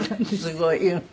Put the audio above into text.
すごい。